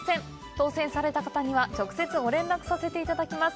当せんされた方には直接ご連絡させていただきます。